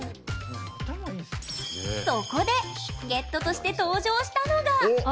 そこで助っ人として登場したのが。